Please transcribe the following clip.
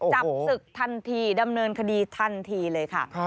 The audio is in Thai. จับศึกทันทีดำเนินคดีทันทีเลยค่ะ